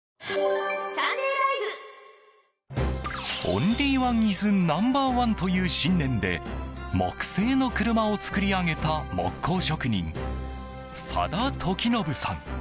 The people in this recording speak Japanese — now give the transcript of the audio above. オンリーワンｉｓナンバーワンという信念で木製の車を作り上げた木工職人佐田時信さん。